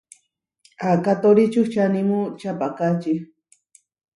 Akátori čuhčánimu čaʼpakáči.